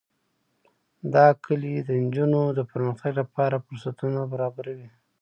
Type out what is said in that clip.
دا کلي د نجونو د پرمختګ لپاره فرصتونه برابروي.